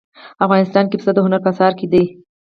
افغانستان کې پسه د هنر په اثار کې دي.